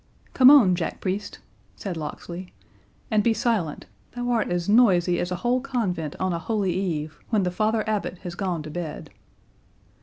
"Come on, Jack Priest," said Locksley, "and be silent; thou art as noisy as a whole convent on a holy eve, when the Father Abbot has gone to bed.